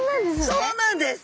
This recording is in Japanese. そうなんです。